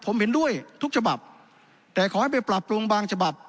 ผมเห็นด้วยทุกฉบับแต่ขอให้ไปปรับปรุงบางฉบับ